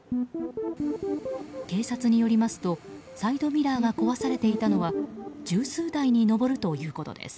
警察によりますとサイドミラーが壊されていたのは十数台に上るということです。